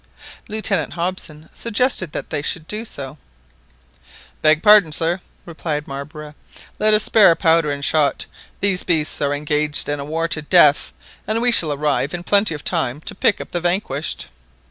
Lieutenant Hobson suggested that they should do so. "Beg pardon, sir," replied Marbre; "but let us spare our powder and shot. These beasts are engaged in a war to the death, and we shall arrive in plenty of time to pick up the vanquished."